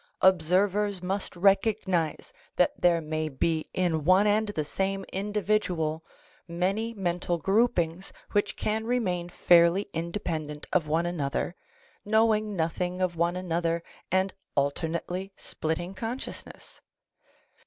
Observ ers must recognize that there may be in one and the same indi vidual many mental groupings which can remain fairly independ ent of one another, knowing nothing of one another and alternately splitting consciousness.